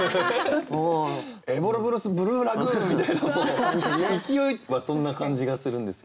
「エボルブルスブルーラグーン！」みたいな勢いはそんな感じがするんですけどね。